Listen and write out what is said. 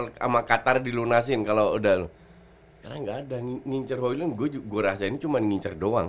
sama qatar dilunasin kalau udah nggak ada ngincer hoylund gua juga gua rasain cuman ngincer doang